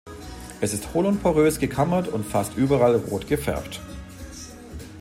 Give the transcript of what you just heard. Es ist hohl und porös gekammert und fast überall rot gefärbt.